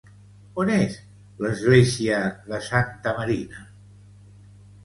On és l'església de Santa Marina?